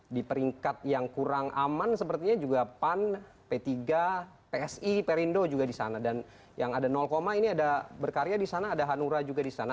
ini peringkat yang kurang aman sepertinya juga pan p tiga psi perindo juga disana dan yang ada ini ada berkarya disana ada hanura juga disana